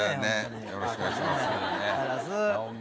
よろしくお願いします。